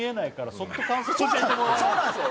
そうなんすよ